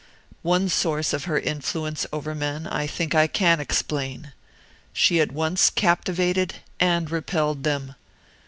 One source of her influence over men I think I can explain: she at once captivated and repelled them.